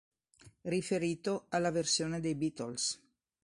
Riferito alla versione dei Beatles.